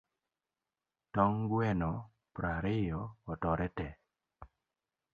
Tong' gweno prariyo otore te